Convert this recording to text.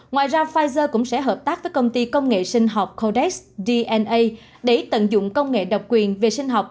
ngoài ra pfizer cũng sẽ hợp tác với công ty công nghệ sinh học codes gna để tận dụng công nghệ độc quyền về sinh học